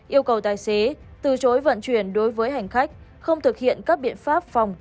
yêu cầu tài xế từ chối vận chuyển đối với hành khách không thực hiện các biện pháp phòng